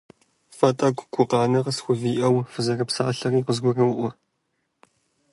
Фэ тӀэкӀу гукъанэ къысхувиӀэу фызэрыпсалъэри къызгуроӀуэ.